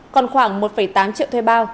còn khoảng một chín mươi chín triệu thuê bao